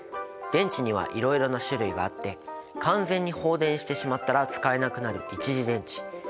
電池にはいろいろな種類があって完全に放電してしまったら使えなくなる一次電池。